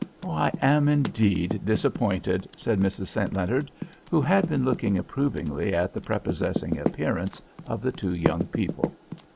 "I am indeed disappointed"—said Mrs. St. Leonard, who had been looking approvingly at the prepossessing appearance of the two young people.